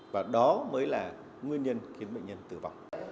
và đó mới là nguyên nhân khiến bệnh nhân tử vong